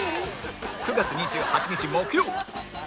９月２８日木曜！